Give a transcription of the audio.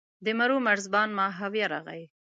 د مرو مرزبان ماهویه راغی.